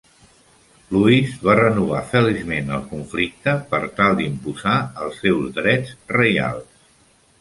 Louis va renovar feliçment el conflicte per tal d'imposar els seus drets reials.